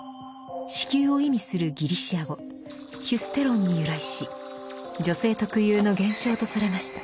子宮を意味するギリシャ語ヒュステロンに由来し女性特有の現象とされました。